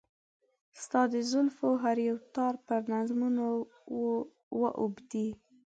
ستا د زلفو هر يو تار په نظمونو و اوبدي .